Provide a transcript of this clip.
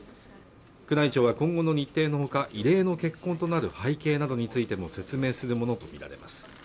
宮内庁は今後の日程のほか異例の結婚となる背景などについても説明するものと見られます